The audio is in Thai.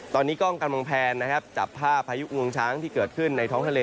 ตอนนี้กล้องกำลังแพนนะครับจับภาพพายุงวงช้างที่เกิดขึ้นในท้องทะเล